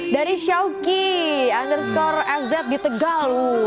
dari xiaoki underscore fz di tegal